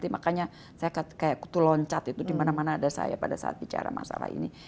makanya saya kutuloncat itu di mana mana ada saya pada saat bicara masalah ini